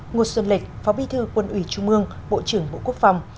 ngô xuân lịch phó bí thư quân ủy trung mương bộ trưởng bộ quốc phòng